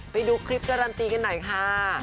ไปดูคลิปการันตีกันหน่อยค่ะ